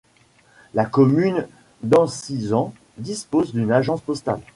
La commune d'Ancizan dispose d'une agence postale.